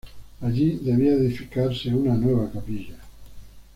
Allí debía edificarse una nueva capilla.